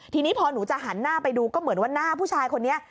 ทีนี้พอหนูจะหันหน้าไปดูก็เหมือนว่าหน้าผู้ชายคนนี้